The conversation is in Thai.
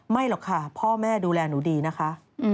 หรอกค่ะพ่อแม่ดูแลหนูดีนะคะ